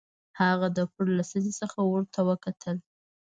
هغه د پوړ له سطحې څخه ورته وکتل